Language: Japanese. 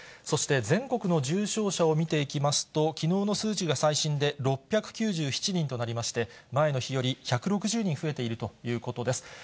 そして全国の重症者を見ていきますと、きのうの数値が最新で６９７人となりまして、前の日より１６０人増えているということです。